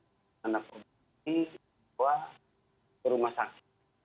ananda korban ini dibawa ke rumah sakit